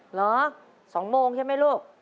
เหรอ๒โมงใช่ไหมลูก